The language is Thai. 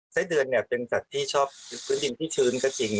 ไส้เดือนเนี่ยเป็นสัตว์ที่ชอบพื้นดินที่ชื้นก็จริง